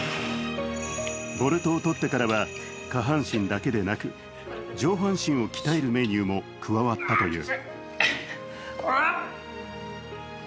ボルトを取ってからは、下半身だけでなく上半身を鍛えるメニューも加わったという。